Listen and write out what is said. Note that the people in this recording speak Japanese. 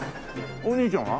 お兄ちゃんは？